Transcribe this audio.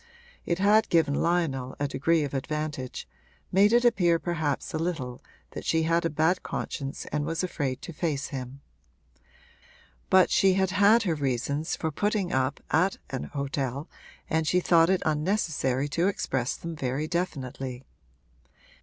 It had given Lionel a degree of advantage, made it appear perhaps a little that she had a bad conscience and was afraid to face him. But she had had her reasons for putting up at an hotel, and she thought it unnecessary to express them very definitely.